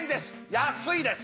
安いです